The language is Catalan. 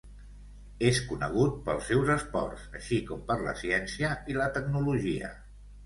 És conegut pels seus esports, així com per la ciència i la tecnologia.